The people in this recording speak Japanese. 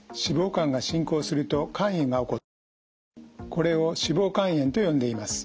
これを脂肪肝炎と呼んでいます。